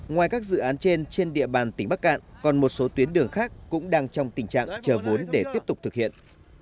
ngoài các dự án trên trên địa bàn tỉnh bắc cạn còn một số tuyến đường khác cũng đang trong tình trạng chờ vốn để tiếp tục thực hiện